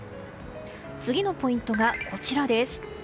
次のポイントがこちらです。